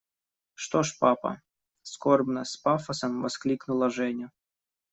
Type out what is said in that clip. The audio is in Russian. – Что ж, папа! – скорбно, с пафосом воскликнула Женя.